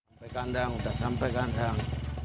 sampai kandang sudah sampai kandang